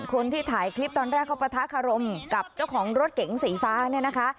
คนที่ถ่ายคลิปตอนแรกเขาปะทะคารมกับเจ้าของรถเก๋งสีฟ้าเนี่ยนะคะ